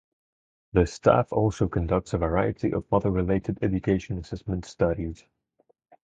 The staff also conducts a variety of other related education assessment studies.